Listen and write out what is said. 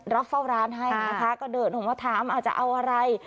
รับเฝ้าร้านให้นะคะก็เดินออกมาถามอาจจะเอาอะไร